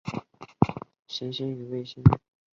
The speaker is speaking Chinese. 潮汐加速是行星与其卫星之间潮汐力的效应。